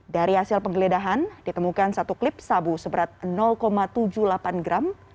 dari hasil penggeledahan ditemukan satu klip sabu seberat tujuh puluh delapan gram